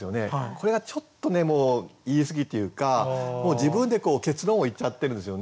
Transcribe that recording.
これがちょっとね言い過ぎっていうかもう自分で結論を言っちゃってるんですよね。